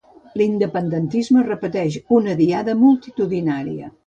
L'independentisme repeteix una Diada multitudinària